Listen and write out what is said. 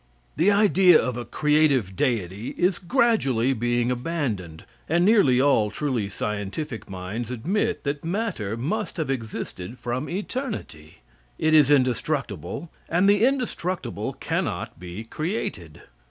The idea of a creative deity is gradually being abandoned, and nearly all truly scientific minds admit that matter must have existed from eternity. It is indestructible, and the indestructible cannot be created.